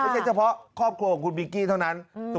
เฉพาะครอบครัวของคุณบิ๊กกี้เท่านั้น